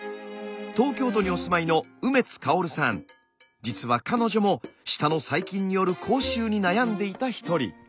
東京都にお住まいの実は彼女も舌の細菌による口臭に悩んでいた一人。